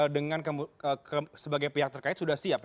dengan sebagai pihak terkait sudah siap ya